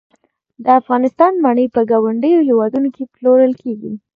د افغانستان مڼې په ګاونډیو هیوادونو کې پلورل کیږي